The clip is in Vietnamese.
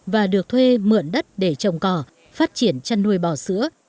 và được thuê mượn đất để trồng cỏ phát triển chăn nuôi bò sữa